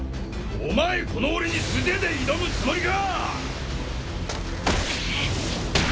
お前この俺に素手で挑むつもりか！